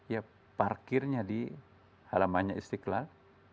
ya parkirnya di halamannya istiqlal